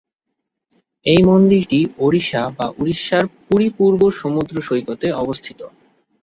এই মন্দিরটি ওড়িশা বা উড়িষ্যার পুরী পূর্ব সমুদ্র সৈকতে অবস্থিত।